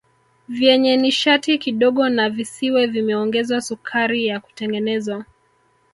Vyenye nishati kidogo na visiwe vimeongezwa sukari ya kutengenezwa